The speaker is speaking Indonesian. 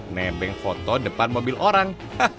nebeng foto depan mobil orang